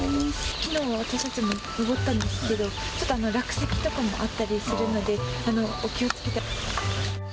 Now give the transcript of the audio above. きのうも私たち、登ったんですけど、ちょっと落石とかもあったりするので、お気をつけて。